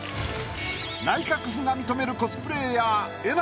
内閣府が認めるコスプレイヤーえな